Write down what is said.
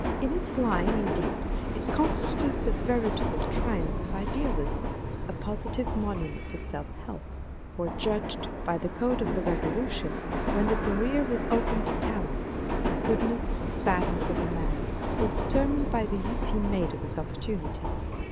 In its line, indeed, it constitutes a veritable triumph of idealism, a positive monument of " self help." For judged by the code of the Revolution, when the career was open to talents, the goodness or badness of a man was determined by the use he made of his opportunities.